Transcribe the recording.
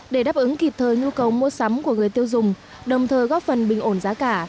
để đáp ứng kịp thời nhu cầu mua sắm của người tiêu dùng đồng thời góp phần bình ổn giá cả